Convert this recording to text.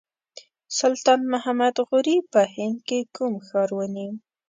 سلطان محمد غوري په هند کې کوم ښار ونیو.